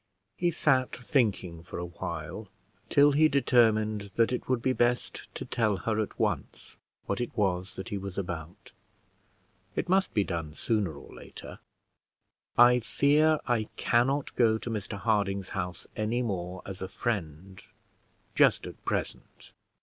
He sat thinking for a while till he determined that it would be best to tell her at once what it was that he was about: it must be done sooner or later. "I fear I cannot go to Mr Harding's house any more as a friend, just at present."